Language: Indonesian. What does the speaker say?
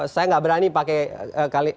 saya gak berani pakai